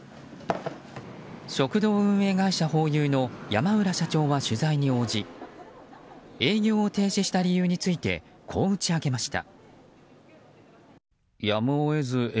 食堂運営会社ホーユーの山浦社長は取材に応じ営業を停止した理由についてこう打ち明けました。